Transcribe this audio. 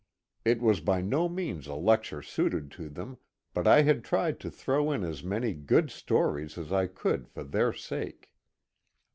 It was by no means a lecture suited to them, but I had tried to throw in as many good stories as I could for their sake.